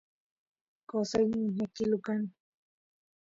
qosay lluqñakilu kan